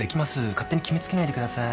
勝手に決め付けないでください。